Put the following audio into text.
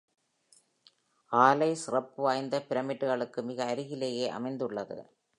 ஆலை சிறப்பு வாய்ந்த பிரமிடுகளுக்கு மிக அருகிலேயே அமைந்துள்ளது.